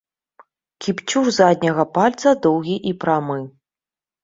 Кіпцюр задняга пальца доўгі і прамы.